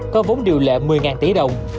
có vốn điều lệ một mươi tỷ đồng